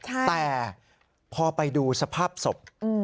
แต่พอไปดูสภาพศพ